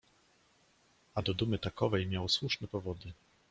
A do dumy takowej miał słuszne powody